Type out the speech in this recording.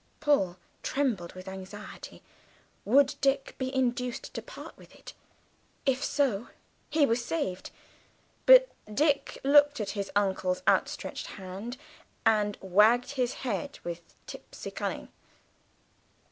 Paul trembled with anxiety. Would Dick be induced to part with it? If so, he was saved! But Dick looked at his uncle's outstretched hand, and wagged his head with tipsy cunning.